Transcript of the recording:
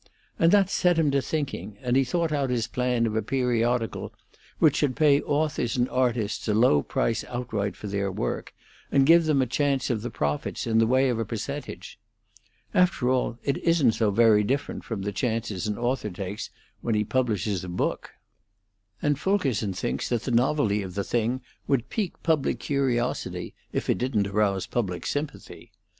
and that set him to thinking, and he thought out his plan of a periodical which should pay authors and artists a low price outright for their work and give them a chance of the profits in the way of a percentage. After all, it isn't so very different from the chances an author takes when he publishes a book. And Fulkerson thinks that the novelty of the thing would pique public curiosity, if it didn't arouse public sympathy.